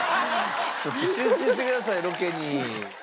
ちょっと集中してくださいよロケに。